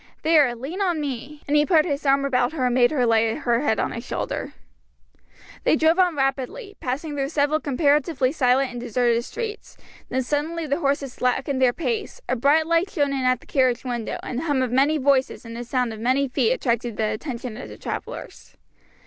There, lean on me," and he put his arm about her and made her lay her head on his shoulder. They drove on rapidly, passing through several comparatively silent and deserted streets, then suddenly the horses slackened their pace, a bright light shone in at the carriage window and the hum of many voices and sound of many feet attracted the attention of the travellers.